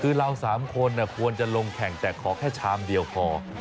คือเรา๓คนควรจะลงแข่งแต่ขอแค่ชามเดียวพอ